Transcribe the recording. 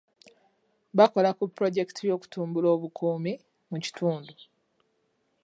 Bakola ku pulojekiti y'okutumbula obukuumi mu kitundu.